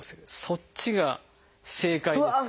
そっちが正解です。